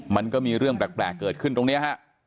มันก็มีเรื่องแปลกเกิดขึ้นตรงนี้ฮะ